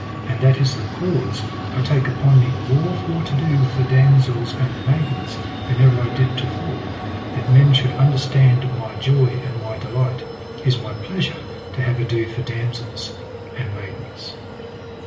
And that is the cause I take upon me more for to do for damosels and maidens than ever I did to fore, that men should understand my joy and my delight is my pleasure to have ado for damosels and maidens.